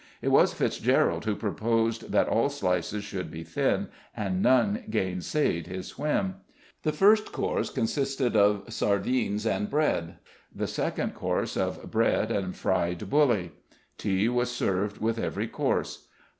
It was Fitzgerald who proposed that all slices should be thin, and none gainsaid his whim. The first course consisted of sardines and bread; the second course of bread and fried bully. Tea was served with every course.